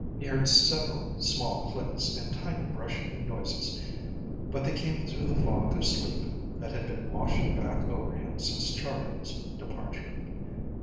He heard several small clicks and tiny brushing noises, but they came through the fog of sleep that had been washing back over him since Chargill's departure.